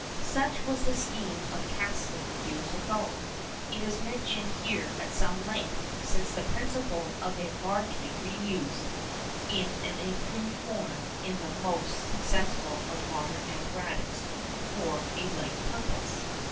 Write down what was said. Such was the scheme of Caselli years ago. It is mentioned here at some length, since the principle of it is largely re used in an improved form in the most successful of modern apparatus for a like purpose.